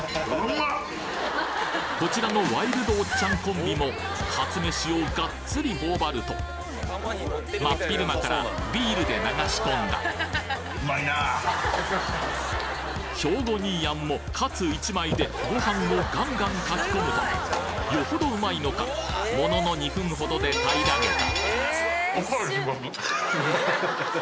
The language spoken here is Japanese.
こちらのワイルドおっちゃんコンビもかつめしをがっつり頬張ると真っ昼間からビールで流し込んだ兵庫兄やんもカツ１枚でご飯をガンガンかき込むとよほど美味いのかものの２分ほどで平らげた！